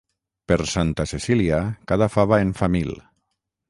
Per Santa Cecília cada fava en fa mil.